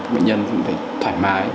bệnh nhân cũng phải thoải mái